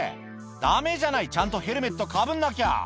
だめじゃない、ちゃんとヘルメットかぶんなきゃ。